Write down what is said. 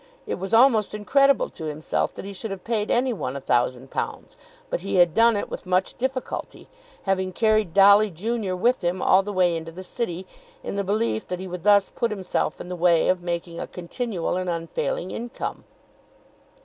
It was almost incredible to himself that he should have paid any one a thousand pounds, but he had done it with much difficulty, having carried Dolly junior with him all the way into the city, in the belief that he would thus put himself in the way of making a continual and unfailing income.